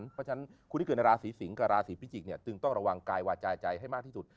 เพราะฉะนั้นคนที่เกิดในราศีสิงศ์กับราศีพิจิกจึงต้องระวังกายวาจาใจให้มากที่สุด